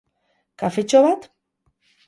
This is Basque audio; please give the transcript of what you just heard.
Kafetxo bat?